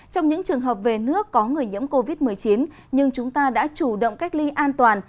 trong những trường hợp về nước có người nhiễm covid một mươi chín nhưng chúng ta đã chủ động cách ly an toàn